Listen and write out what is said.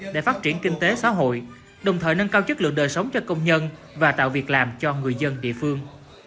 cho cơ thể xã hội đồng thời nâng cao chất lượng đời sống cho công nhân và tạo việc làm cho người dân địa phương